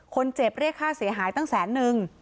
เรียกค่าเสียหายตั้งแสนนึง